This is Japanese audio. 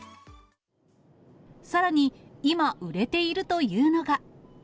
さらに今売れているのが。